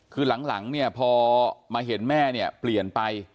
คือหลังปอเห็นแม่เปลี่ยนไป